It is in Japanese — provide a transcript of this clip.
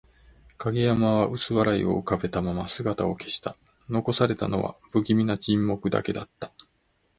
影山は薄笑いを浮かべたまま姿を消した。残されたのは、不気味な沈黙だけだった。